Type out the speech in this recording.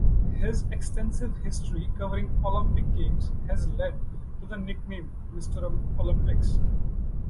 His extensive history covering Olympic Games has led to the nickname "Mr Olympics".